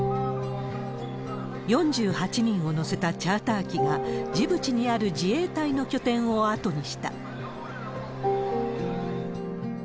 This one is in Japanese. ４８人を乗せたチャーター機が、ジブチにある自衛隊の拠点を後にした。